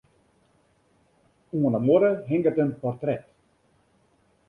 Oan 'e muorre hinget in portret.